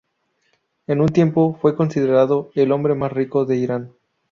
En un tiempo, fue considerado el hombre más rico de Irán.